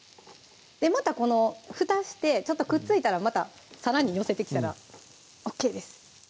またこのふたしてちょっとくっついたらまたさらに寄せてきたらＯＫです